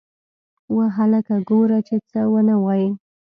وه هلکه گوره چې څه ونه وايې.